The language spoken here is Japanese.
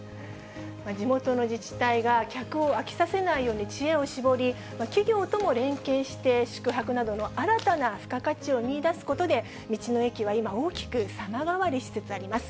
地元の自治体が客を飽きさせないように知恵を絞り、企業とも連携して宿泊などの新たな付加価値を見いだすことで、道の駅は今、大きく様変わりしつつあります。